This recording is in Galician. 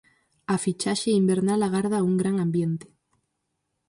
A fichaxe invernal agarda un gran ambiente.